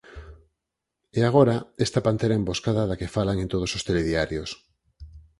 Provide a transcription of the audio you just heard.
E agora, esta pantera emboscada da que falan en todos os telediarios.